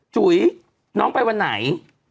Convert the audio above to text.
จุ๋ยน้องไปวันไหน